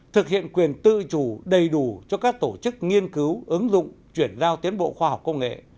thực hiện quyền tự chủ đầy đủ cho các tổ chức nghiên cứu ứng dụng chuyển giao tiến bộ khoa học công nghệ